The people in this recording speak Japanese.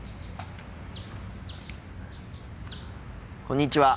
こんにちは。